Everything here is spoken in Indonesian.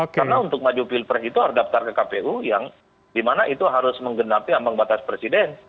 karena untuk maju pilpres itu harus daftar ke kpu yang di mana itu harus menggenapi ambang batas presiden